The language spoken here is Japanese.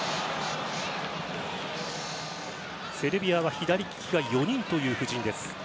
セルビアは左利きが４人という布陣。